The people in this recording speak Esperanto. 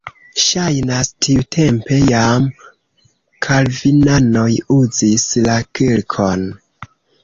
Ŝajnas, tiutempe jam kalvinanoj uzis la kirkon.